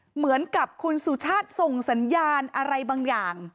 เหมือนกับคุณสุชาติส่งสัญญาณอะไรบางอย่าง